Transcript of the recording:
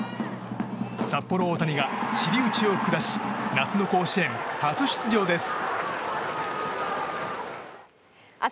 札幌大谷が知内を下し夏の甲子園、初出場です。